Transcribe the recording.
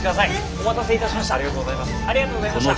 お待たせいたしました。